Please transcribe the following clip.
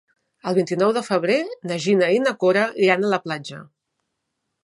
El vint-i-nou de febrer na Gina i na Cora iran a la platja.